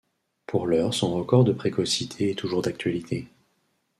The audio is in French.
Pour l'heure son record de précocité est toujours d'actualité.